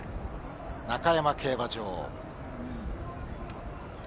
中山競馬場。